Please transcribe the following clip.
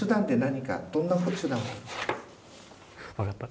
分かった。